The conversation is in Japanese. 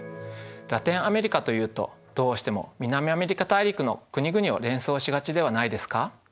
ラテンアメリカというとどうしても南アメリカ大陸の国々を連想しがちではないですか？